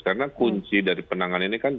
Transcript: karena kunci dari penanganan ini kan transaksi